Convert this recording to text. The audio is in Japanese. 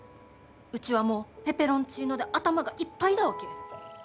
うちはもうペペロンチーノで頭がいっぱいだわけ。